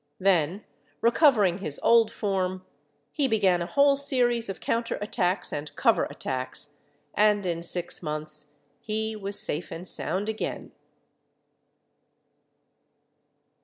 Then, recovering his old form, he began a whole series of counter attacks and cover attacks, and in six months he was safe and sound again....